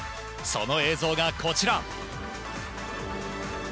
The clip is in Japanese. その映像が、こちら。